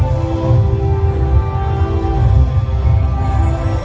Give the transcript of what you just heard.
สโลแมคริปราบาล